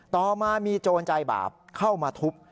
ต่อมามีโจรใจบาปเข้ามาทุบ